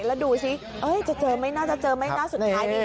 แล้วดูสิจะเจอไม่น่าจะเจอไหมหน้าสุดท้ายนี่